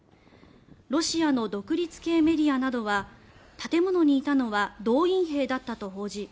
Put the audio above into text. ロシアの独立系メディアなどは建物にいたのは動員兵だったと報じ